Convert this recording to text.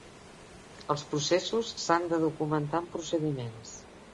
Els processos s'han de documentar en procediments.